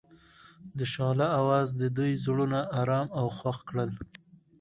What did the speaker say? د شعله اواز د دوی زړونه ارامه او خوښ کړل.